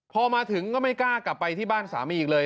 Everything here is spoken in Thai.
พอมาถึงก็ไม่กล้ากลับไปที่บ้านสามีอีกเลย